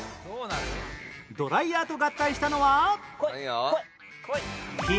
ドライヤーと合体したのは